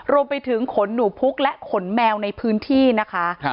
รวมไปถึงขนหนูพุกและขนแมวในพื้นที่นะคะ